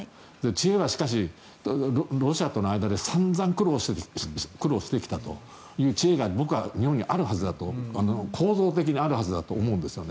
知恵はしかし、ロシアとの間で散々苦労してきたという知恵が僕は日本にあるはずだと構造的にあるはずだと思うんです。